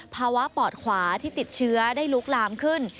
ปอดขวาที่ติดเชื้อได้ลุกลามขึ้น